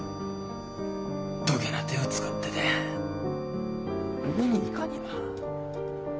どげな手を使ってでん上に行かにゃ。